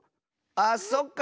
あっそっか！